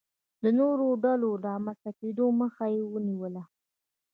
د نورو ډلو د رامنځته کېدو مخه یې ونیوله.